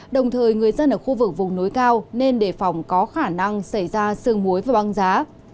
đồng thời người dân ở khu vực vùng núi cao nên đề phòng có khả năng xảy ra sương muối và băng giá